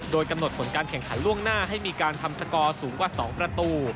โดยกำหนดผลการแข่งขันล่วงหน้าให้มีการทำสกอร์สูงกว่า๒ประตู